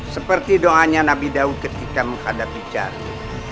seperti doanya nabi daud ketika menghadapi cari